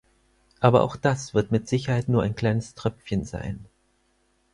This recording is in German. Aber auch das wird mit Sicherheit nur ein kleines Tröpfchen sein.